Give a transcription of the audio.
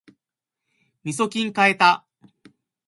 みそきん買えた